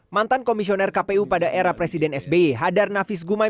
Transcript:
mantan komisioner kpu pada era presiden sby hadar nafis gumai